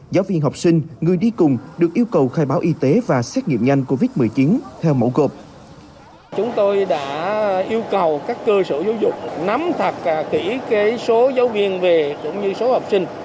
giáo viên học sinh người đi cùng được yêu cầu khai báo y tế và xét nghiệm nhanh covid một mươi chín theo mẫu gộp